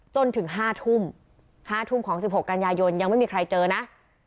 จนถึง๕ทุ่ม๕ทุ่มของ๑๖กันยายนยังไม่มีใครเจอนะ